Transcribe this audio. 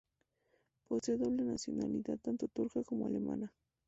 Posee doble nacionalidad tanto turca como alemana.